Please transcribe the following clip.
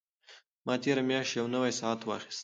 ما تېره میاشت یو نوی ساعت واخیست.